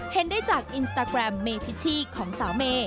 เห็นได้จากอินสตาแกรมเมพิชชี่ของสาวเมย์